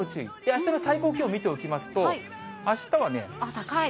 あしたの最高気温見ておきますと、あっ、高い。